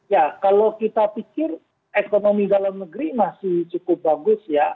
ya kalau kita pikir ekonomi dalam negeri masih cukup bagus ya